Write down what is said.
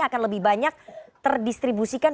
akan lebih banyak terdistribusikan